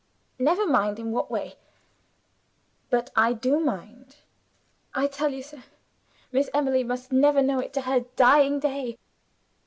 "Never mind in what way." "But I do mind." "I tell you, sir, Miss Emily must never know it to her dying day!"